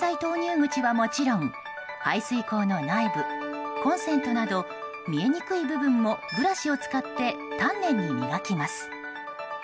口はもちろん排水口の内部コンセントなど見えにくい部分もブラシを使って丹念に磨きます。